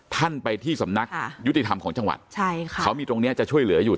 ท่านไปที่สำนักยุติธรรมของจังหวัดใช่ค่ะเขามีตรงเนี้ยจะช่วยเหลืออยู่